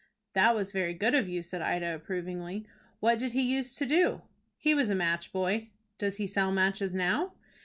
"That was very good of you," said Ida, approvingly. "What did he use to do?" "He was a match boy." "Does he sell matches now?"